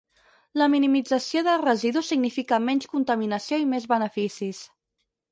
La minimització de residus significa menys contaminació i més beneficis.